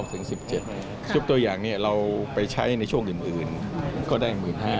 ชุดตัวอย่างนี้เราไปใช้ในช่วงอื่นก็ได้๑๕๐๐